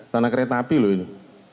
tanah kereta api loh ini